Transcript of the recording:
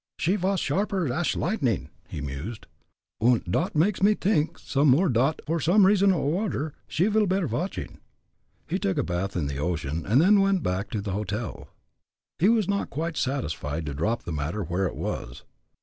"She vas sharper ash lightning," he mused, "und dot makes me t'ink some more dot for some reason or odder she vil bear watching." He took a bath in the ocean, and then went back to the hotel. He was not quite satisfied to drop the matter where it was.